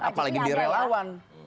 apalagi di relawan